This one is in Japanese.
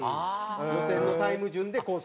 予選のタイム順でコース。